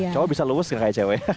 cowok bisa lulus gak kayak cewek